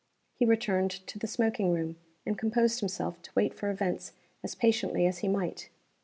He returned to the smoking room, and composed himself to wait for events as patiently as he might.